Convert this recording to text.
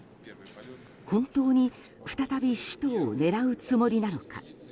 本当に再び首都を狙うつもりなのか。